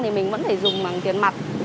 thì mình vẫn phải dùng bằng tiền mặt